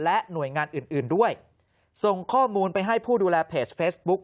และหน่วยงานอื่นอื่นด้วยส่งข้อมูลไปให้ผู้ดูแลเพจเฟซบุ๊ก